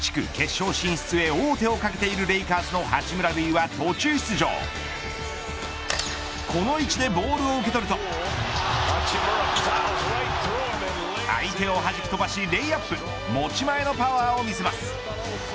西地区決勝進出へ王手をかけているレイカーズ八村塁は途中出場この位置でボールを受け取ると相手をはじき飛ばし、レイアップ持ち前のパワーを見せます。